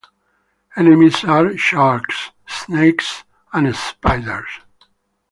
Enemies are skulls, snakes, and spiders.